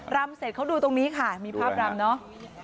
รำเสร็จเขาดูตรงนี้ค่ะมีภาพรำเนอะ